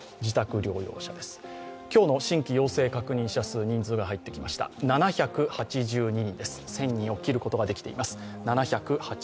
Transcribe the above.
今日の新規陽性確認者数、人数が入ってきました７８２人です、１０００人を切ることができています。